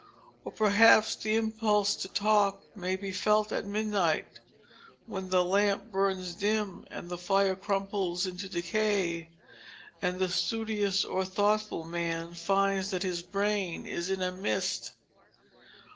Or, perhaps, the impulse to talk may be felt at midnight, when the lamp burns dim, and the fire crumbles into decay, and the studious or thoughtful man finds that his brain is in a mist.